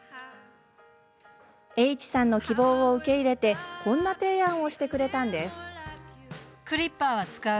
Ｈさんの希望を受け入れてこんな提案をしてくれたんです。